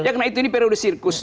ya karena itu ini periode sirkus